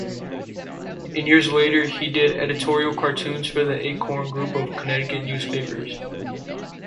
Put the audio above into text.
In later years, he did editorial cartoons for the Acorn group of Connecticut newspapers.